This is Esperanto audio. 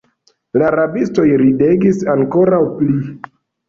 La rabistoj ridegis ankoraŭ pli.